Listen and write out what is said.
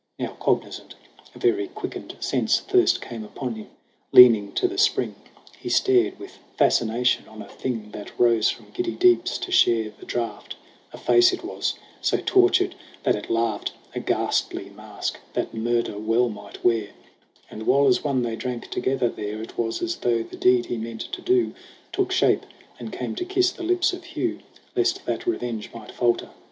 Now cognizant of every quickened sense, Thirst came upon him. Leaning to the spring, He stared with fascination on a thing That rose from giddy deeps to share the draught A face, it was, so tortured that it laughed, A ghastly mask that Murder well might wear; And while as one they drank together there, It was as though the deed he meant to do Took shape and came to kiss the lips of Hugh, Lest that revenge might falter.